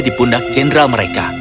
di pundak jenderal mereka